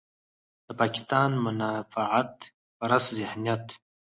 د پاکستان منفعت پرست ذهنيت.